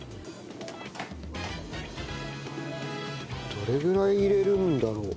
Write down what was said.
どれぐらい入れるんだろう？